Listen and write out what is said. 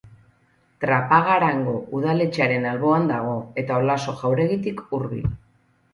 Trapagarango udaletxearen alboan dago, eta Olaso jauregitik hurbil.